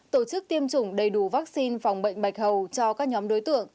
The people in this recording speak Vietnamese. tổ chức tiêm chủng đầy đủ vaccine phòng bệnh bạch hầu cho các nhóm đối tượng